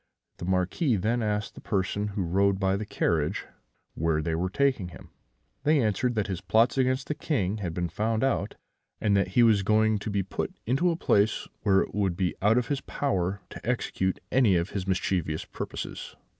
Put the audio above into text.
The Marquis then asked the person who rode by the carriage where they were taking him: they answered that his plots against the King had been found out, and that he was going to be put into a place where it would be out of his power to execute any of his mischievous purposes.